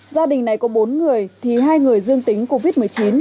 gia đình này có bốn người thì hai người dương tính covid một mươi chín